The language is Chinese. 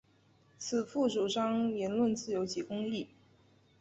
此赋主张言论自由及公义。